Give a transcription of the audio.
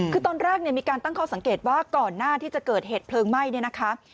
คือตอนแรกเนี่ยมีการตั้งข้อสังเกตว่าก่อนหน้าที่จะเกิดเหตุเพลิงไหม้เนี่ยนะคะ